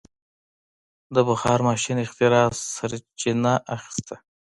د بخار ماشین اختراع سرچینه اخیسته.